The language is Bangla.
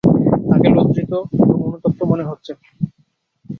তাকে লজ্জিত এবং অনুতপ্ত মনে হচ্ছে।